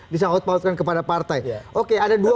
disangkut pautkan kepada partai oke ada dua